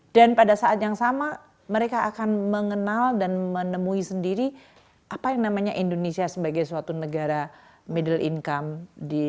dan pada saat yang sama mereka akan mengenal dan menemui sendiri apa yang namanya indonesia sebagai suatu negara middle income